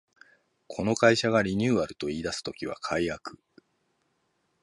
この会社がリニューアルと言いだす時は改悪